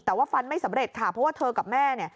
แต่ว่าฟันไม่สำเร็จค่ะเพราะว่าเธอกับแม่